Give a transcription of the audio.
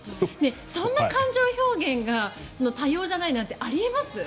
そんな感情表現が多様じゃないなんてあり得ます？